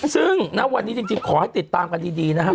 ซึ่งณวันนี้จริงขอให้ติดตามกันดีนะครับ